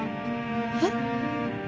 えっ？